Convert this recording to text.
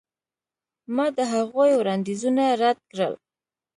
ما د هغوی وړاندیزونه رد کړل.